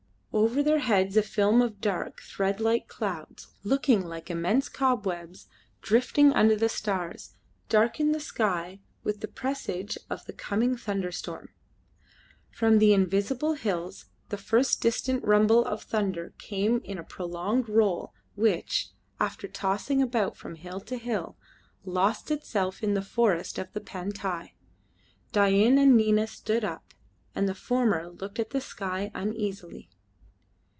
Over their heads a film of dark, thread like clouds, looking like immense cobwebs drifting under the stars, darkened the sky with the presage of the coming thunderstorm. From the invisible hills the first distant rumble of thunder came in a prolonged roll which, after tossing about from hill to hill, lost itself in the forests of the Pantai. Dain and Nina stood up, and the former looked at the sky uneasily.